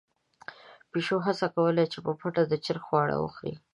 پيشو هڅه کوله چې په پټه د چرګې خواړه وخوري.